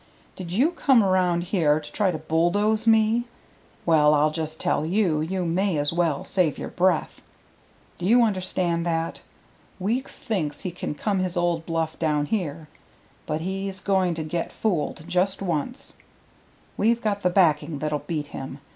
"Did you come around here to try to bulldoze me? Well, I'll just tell you you may as well save your breath. Do you understand that? Weeks thinks he can come his old bluff down here, but he's going to get fooled just once. We've got the backing that'll beat him.